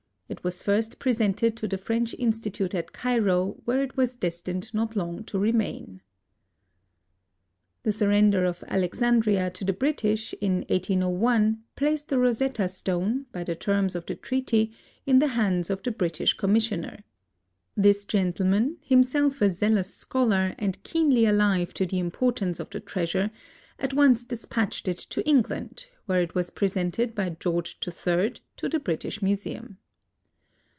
It was first presented to the French Institute at Cairo where it was destined not long to remain. The surrender of Alexandria to the British, in 1801, placed the Rosetta Stone, by the terms of the treaty, in the hands of the British Commissioner. This gentleman, himself a zealous scholar and keenly alive to the importance of the treasure, at once dispatched it to England, where it was presented by George III to the British Museum.